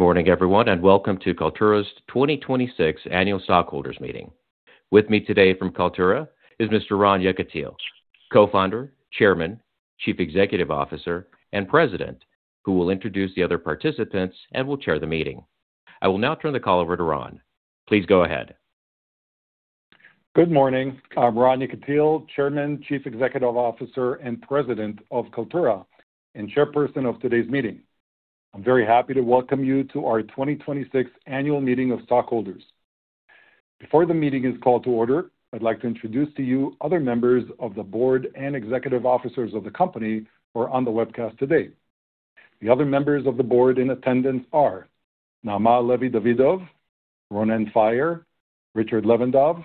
Good morning, everyone, and welcome to Kaltura's 2026 Annual Stockholders Meeting. With me today from Kaltura is Mr. Ron Yekutiel, co-founder, chairman, chief executive officer, and president, who will introduce the other participants and will chair the meeting. I will now turn the call over to Ron. Please go ahead. Good morning. I'm Ron Yekutiel, chairman, chief executive officer, and president of Kaltura, and chairperson of today's meeting. I'm very happy to welcome you to our 2026 Annual Meeting of Stockholders. Before the meeting is called to order, I'd like to introduce to you other members of the board and executive officers of the company who are on the webcast today. The other members of the board in attendance are Naama Levi-Davidov, Ronen Faier, Richard Levandov,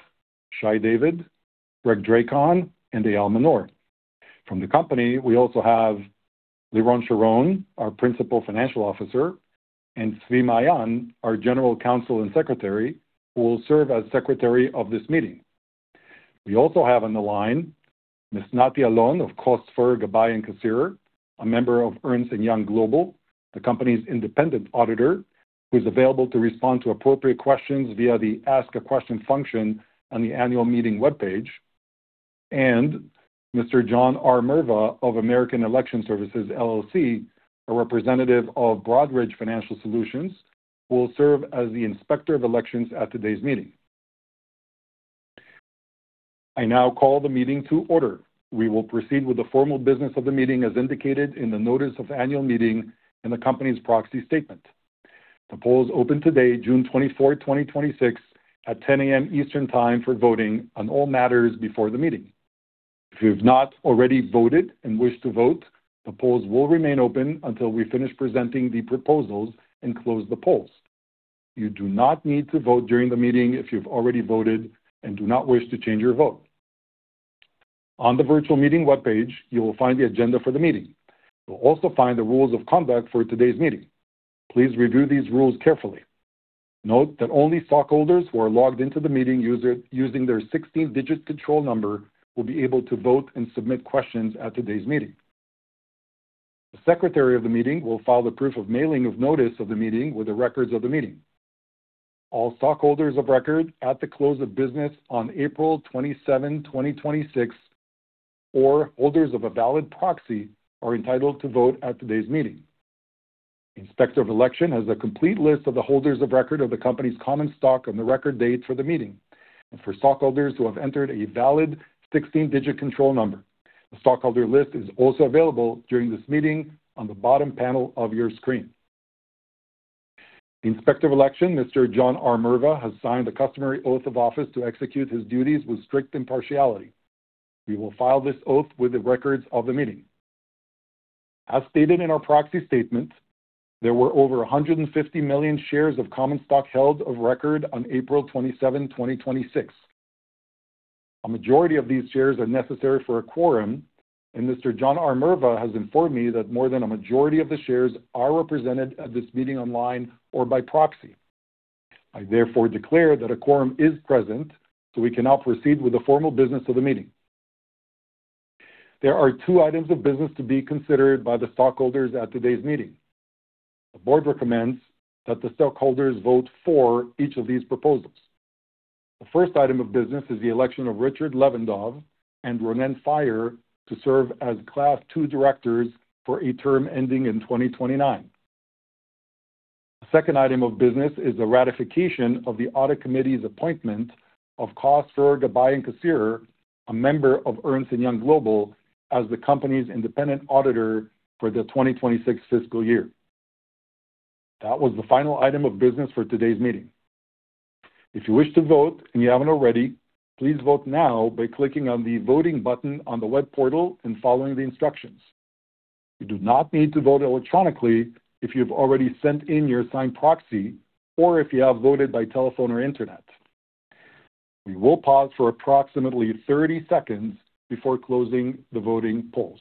Shai David, Greg Dracon, and Eyal Manor. From the company, we also have Liron Sharon, our principal financial officer, and Zvi Maayan, our general counsel and secretary, who will serve as secretary of this meeting. We also have on the line Ms. Nati Alon of Kost Forer Gabbay & Kasierer, a member of Ernst & Young Global, the company's independent auditor, who's available to respond to appropriate questions via the Ask A Question function on the annual meeting webpage. Mr. John R. Merva of American Election Services LLC, a representative of Broadridge Financial Solutions, will serve as the inspector of elections at today's meeting. I now call he meeting to order. We will proceed with the formal business of the meeting as indicated in the notice of annual meeting in the company's proxy statement. The polls opened today, June 24, 2026, at 10:00 A.M. Eastern Time for voting on all matters before the meeting. If you have not already voted and wish to vote, the polls will remain open until we finish presenting the proposals and close the polls. You do not need to vote during the meeting if you've already voted and do not wish to change your vote. On the virtual meeting webpage, you will find the agenda for the meeting. You'll also find the rules of conduct for today's meeting. Please review these rules carefully. Note that only stockholders who are logged into the meeting using their 16-digit control number will be able to vote and submit questions at today's meeting. The secretary of the meeting will file the proof of mailing of notice of the meeting with the records of the meeting. All stockholders of record at the close of business on April 27, 2026, or holders of a valid proxy, are entitled to vote at today's meeting. The Inspector of Election has a complete list of the holders of record of the company's common stock on the record date for the meeting and for stockholders who have entered a valid 16-digit control number. The stockholder list is also available during this meeting on the bottom panel of your screen. The Inspector of Election, Mr. John R. Merva, has signed the customary oath of office to execute his duties with strict impartiality. We will file this oath with the records of the meeting. As stated in our proxy statement, there were over 150 million shares of common stock held of record on April 27, 2026. A majority of these shares are necessary for a quorum. Mr. John R. Merva has informed me that more than a majority of the shares are represented at this meeting online or by proxy. I therefore declare that a quorum is present. We can now proceed with the formal business of the meeting. There are two items of business to be considered by the stockholders at today's meeting. The board recommends that the stockholders vote for each of these proposals. The first item of business is the election of Richard Levandov and Ronen Faier to serve as Class II directors for a term ending in 2029. The second item of business is the ratification of the audit committee's appointment of Kost Forer Gabbay & Kasierer, a member of Ernst & Young Global, as the company's independent auditor for the 2026 fiscal year. That was the final item of business for today's meeting. If you wish to vote and you haven't already, please vote now by clicking on the Voting button on the web portal and following the instructions. You do not need to vote electronically if you've already sent in your signed proxy or if you have voted by telephone or internet. We will pause for approximately 30 seconds before closing the voting polls.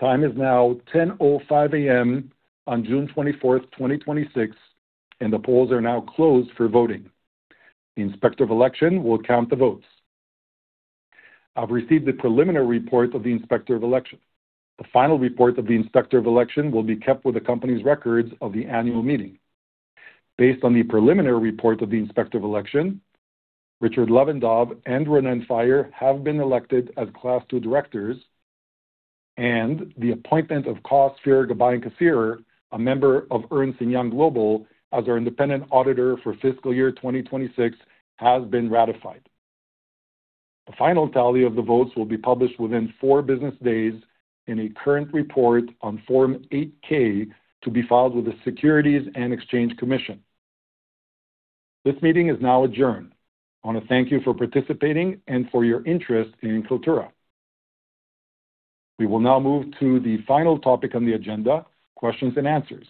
The time is now 10:05 A.M. on June 24th, 2026. The polls are now closed for voting. The Inspector of Election will count the votes. I've received the preliminary report of the Inspector of Election. The final report of the Inspector of Election will be kept with the company's records of the annual meeting. Based on the preliminary report of the Inspector of Election, Richard Levandov and Ronen Faier have been elected as Class II directors. The appointment of Kost Forer Gabbay & Kasierer, a member of Ernst & Young Global, as our independent auditor for fiscal year 2026, has been ratified. The final tally of the votes will be published within four business days in a current report on Form 8-K to be filed with the Securities and Exchange Commission. This meeting is now adjourned. I want to thank you for participating and for your interest in Kaltura. We will now move to the final topic on the agenda, questions and answers.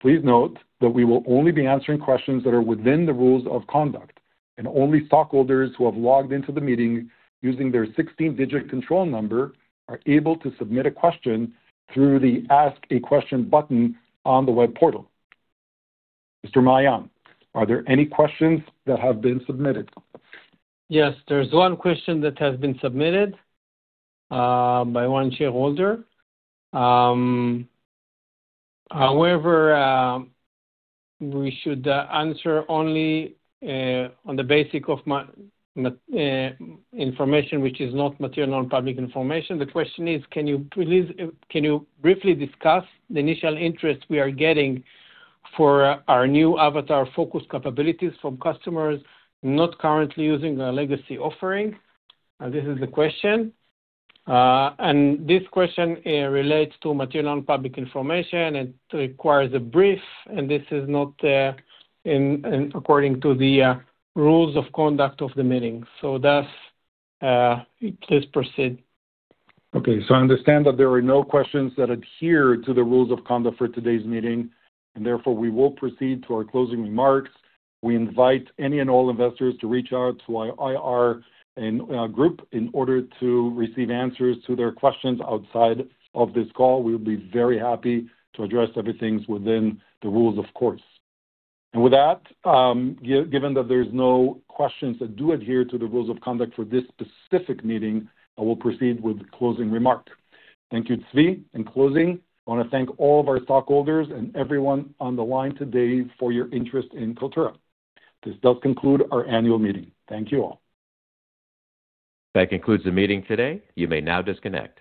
Please note that we will only be answering questions that are within the rules of conduct. Only stockholders who have logged into the meeting using their 16-digit control number are able to submit a question through the Ask a Question button on the web portal. Mr. Maayan, are there any questions that have been submitted? Yes, there's one question that has been submitted by one shareholder. However, we should answer only on the basis of information which is not material non-public information. The question is, "Can you briefly discuss the initial interest we are getting for our new Avatar focus capabilities from customers not currently using a legacy offering?" This is the question. This question relates to material non-public information. It requires a brief, this is not according to the rules of conduct of the meeting. Thus, please proceed. Okay, I understand that there are no questions that adhere to the rules of conduct for today's meeting, therefore, we will proceed to our closing remarks. We invite any and all investors to reach out to our IR group in order to receive answers to their questions outside of this call. We would be very happy to address everything within the rules, of course. With that, given that there's no questions that do adhere to the rules of conduct for this specific meeting, I will proceed with the closing remark. Thank you, Zvi. In closing, I want to thank all of our stockholders and everyone on the line today for your interest in Kaltura. This does conclude our annual meeting. Thank you all. That concludes the meeting today. You may now disconnect.